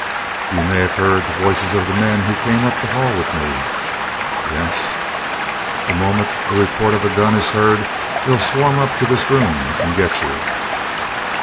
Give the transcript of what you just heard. You may have heard the voices of the men who came up the hall with me?" "Yes." "The moment a report of a gun is heard they'll swarm up to this room and get you."